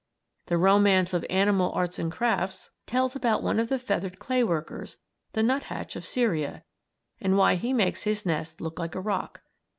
"The Romance of Animal Arts and Crafts" tells about one of the feathered clay workers, the nuthatch of Syria, and why he makes his nest look like a rock.